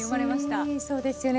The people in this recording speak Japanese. そうですよね